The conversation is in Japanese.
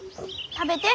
食べて。